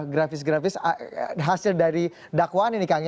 grafis grafis hasil dari dakwaan ini kang